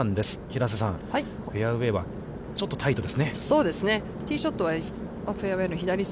平瀬さん、フェアウェイはちょっとタイトですね。